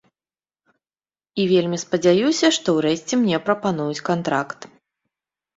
І вельмі спадзяюся, што ўрэшце мне прапануюць кантракт.